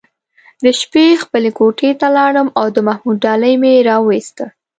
د شپې خپلې کوټې ته لاړم او د محمود ډالۍ مې راوویسته.